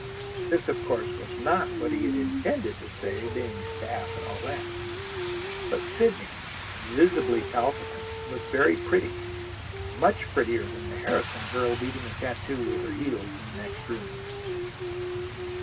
This, of course, was not what he had intended to say, being staff and all that. But Sidney, visibly palpitant, was very pretty, much prettier than the Harrison girl, beating a tattoo with her heels in the next room.